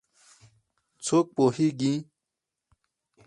څوک پوهیږېي